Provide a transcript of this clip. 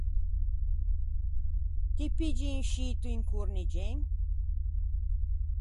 Ti piggi un scito in Corniggen?